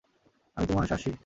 আমি তোমার, সার্সি।